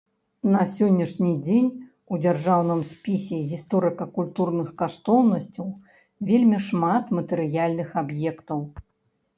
На сённяшні дзень у дзяржаўным спісе гісторыка-культурных каштоўнасцяў вельмі шмат матэрыяльных аб'ектаў.